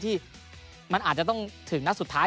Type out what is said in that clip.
ที่มันอาจจะต้องถึงนัดสุดท้าย